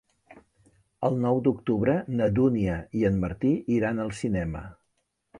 El nou d'octubre na Dúnia i en Martí iran al cinema.